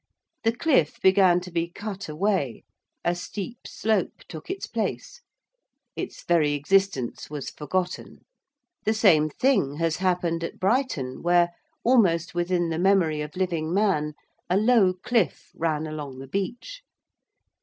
The cliff began to be cut away; a steep slope took its place; its very existence was forgotten. The same thing has happened at Brighton, where, almost within the memory of living man, a low cliff ran along the beach.